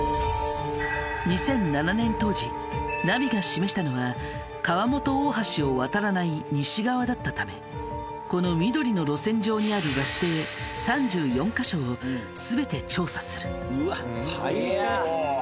２００７年当時ナビが示したのは川本大橋を渡らない西側だったためこの緑の路線上にあるうわ大変。